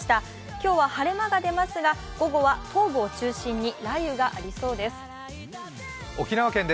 今日は晴れ間が出ますが午後は東部を中心に雷雨がありそうです。